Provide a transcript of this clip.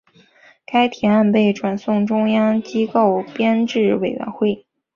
该提案被转送中央机构编制委员会。